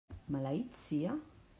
Maleït sia!